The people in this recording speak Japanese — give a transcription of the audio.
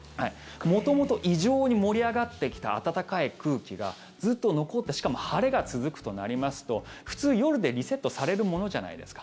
元々異常に盛り上がってきた暖かい空気がずっと残ってしかも晴れが続くとなりますと普通、夜でリセットされるものじゃないですか。